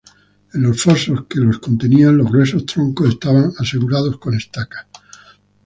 En los fosos que los contenían, los gruesos troncos estaban asegurados con estacas.